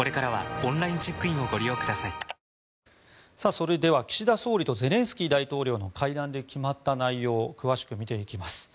それでは岸田総理とゼレンスキー大統領の会談で決まった内容を詳しく見ていきます。